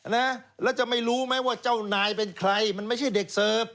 นะแล้วจะไม่รู้ไหมว่าเจ้านายเป็นใครมันไม่ใช่เด็กเสิร์ฟ